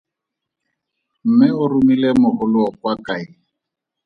Mme o romile mogoloo kwa kae?